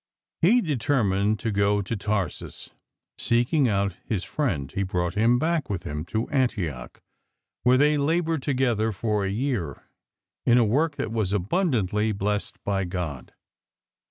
He determined to go to Tarsus. Seeking out his friend, he brought him back with him to Antioch, where they laboured together for a yean in^^^a that was abundantly blessed ;byf•Gdd.